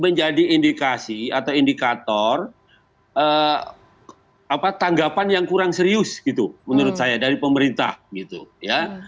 menjadi indikasi atau indikator apa tanggapan yang kurang serius gitu menurut saya dari pemerintah gitu ya